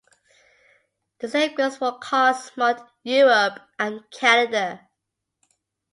The same goes for cars marked "Europe" and "Canada".